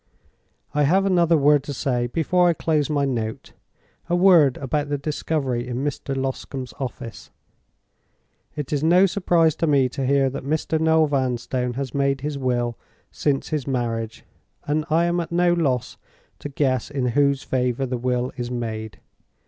"I have another word to say before I close my note—a word about the discovery in Mr. Loscombe's office. "It is no surprise to me to hear that Mr. Noel Vanstone has made his will since his marriage, and I am at no loss to guess in whose favor the will is made.